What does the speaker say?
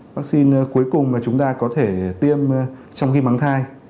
vaccine cuối cùng mà chúng ta có thể tiêm trong khi mang thai